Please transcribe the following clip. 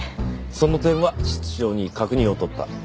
その点は室長に確認を取った。